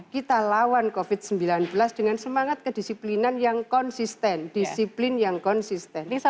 kita lawan covid sembilan belas dengan semangat kedisiplinan yang konsisten disiplin yang konsisten